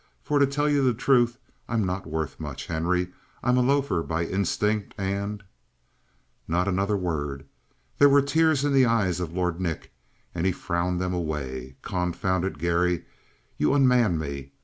For to tell you the truth, I'm not worth much, Henry. I'm a loafer by instinct, and " "Not another word." There were tears in the eyes of Lord Nick, and he frowned them away. "Confound it, Garry, you unman me.